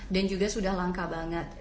dan juga sudah langka banget